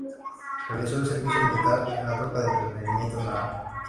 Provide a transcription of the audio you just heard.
Realizó el servicio militar en la tropa de entretenimiento Nahal.